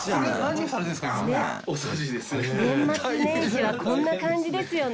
年末年始はこんな感じですよね。